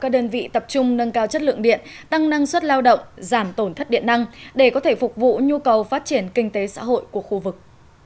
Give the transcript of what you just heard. các đơn vị tập trung nâng cao chất lượng điện tăng năng suất lao động giảm tổn thất điện năng để có thể phục vụ nhu cầu phát triển kinh tế xã hội của khu vực